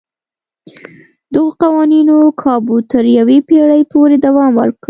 دغو قوانینو کابو تر یوې پېړۍ پورې دوام وکړ.